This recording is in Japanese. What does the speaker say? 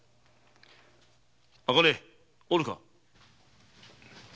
茜おるか。